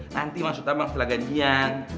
nanti maksud abang pilih gajian